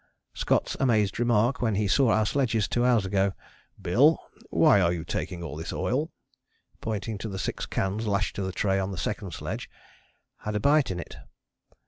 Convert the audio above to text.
Scott's amazed remark when he saw our sledges two hours ago, "Bill, why are you taking all this oil?" pointing to the six cans lashed to the tray on the second sledge, had a bite in it.